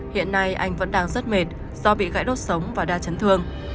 hiện nay anh vẫn đang rất mệt do bị gãy đốt sống và đa chấn thương